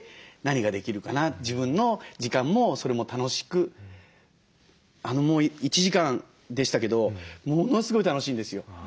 自分の時間もそれも楽しく１時間でしたけどものすごい楽しいんですよ。